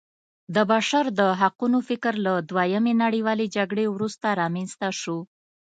د بشر د حقونو فکر له دویمې نړیوالې جګړې وروسته رامنځته شو.